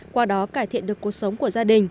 qua đó cải thiện được cuộc sống